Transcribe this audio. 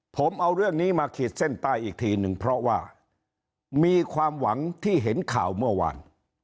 ผมเอาเรื่องนี้มาขีดเส้นใต้อีกทีหนึ่งเพราะว่ามีความหวังที่เห็นข่าวเมื่อวาน